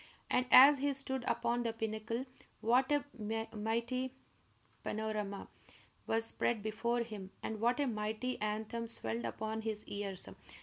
And as he stood upon the pinnacle, what a mighty panorama was spread before him, and what a mighty anthem swelled upon his ears!